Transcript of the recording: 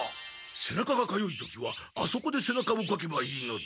せなかがかゆい時はあそこでせなかをかけばいいのだ。